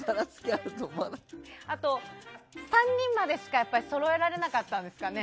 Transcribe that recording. あと、やっぱり３人までしかそろえられなかったんですかね。